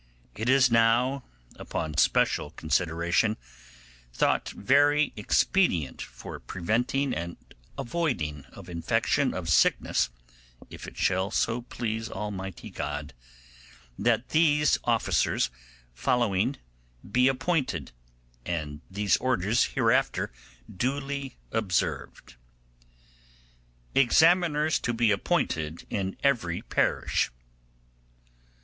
It is now, upon special consideration, thought very expedient for preventing and avoiding of infection of sickness (if it shall so please Almighty God) that these officers following be appointed, and these orders hereafter duly observed. Examiners to be appointed in every Parish.